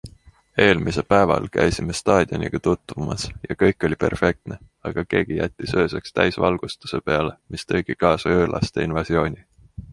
Eelmise päeval käisime staadioniga tutvumas ja kõik oli perfektne, aga keegi jättis ööseks täisvalgustuse peale, mis tõigi kaasa öölaste invasiooni.